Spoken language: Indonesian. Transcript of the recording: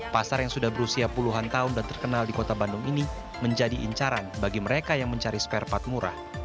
pasar yang sudah berusia puluhan tahun dan terkenal di kota bandung ini menjadi incaran bagi mereka yang mencari spare part murah